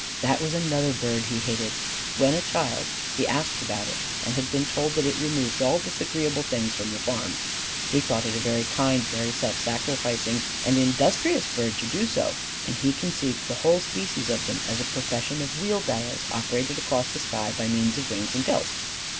That was another bird he hated. When a child he asked about it, and had been told that it removed all disagreeable things from the farms. He thought it a very kind, very self sacrificing and industrious bird to do so. And he conceived the whole species of them as a procession of wheelbarrows operated across the sky by means of wings and tails.